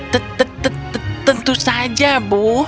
t t t tentu saja bu